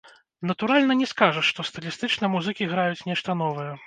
Натуральна, не скажаш, што стылістычна музыкі граюць нешта новае.